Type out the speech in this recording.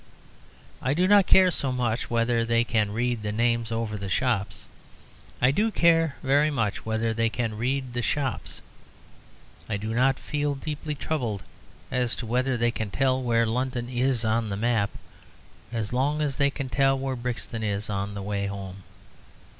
I do not care so much whether they can read the names over the shops. I do care very much whether they can read the shops. I do not feel deeply troubled as to whether they can tell where London is on the map so long as they can tell where Brixton is on the way home.